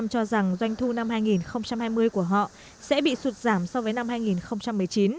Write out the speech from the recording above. tám mươi hai cho rằng doanh thu năm hai nghìn hai mươi của họ sẽ bị sụt giảm so với năm hai nghìn một mươi chín